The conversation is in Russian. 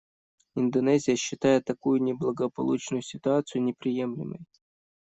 Индонезия считает такую неблагополучную ситуацию неприемлемой.